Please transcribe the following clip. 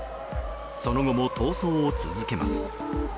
その後も逃走を続けます。